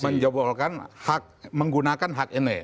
menjebolkan hak menggunakan hak ini